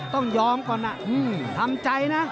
ต้องยอมก่อนทำใจนะ